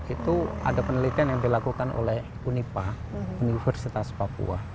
itu ada penelitian yang dilakukan oleh unipa universitas papua